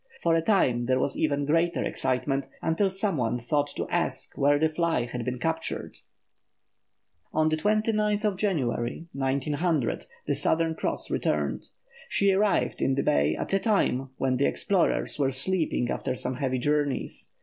For a time there was even greater excitement, until some one thought to ask where the fly had been captured. On January 29, 1900, the Southern Cross returned. She arrived in the bay at a time when the explorers were sleeping after some heavy journeys.